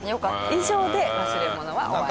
以上で忘れ物は終わりです。